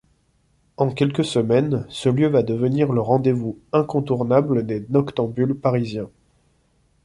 En quelques semaines, ce lieu va devenir le rendez-vous incontournable des noctambules parisiens.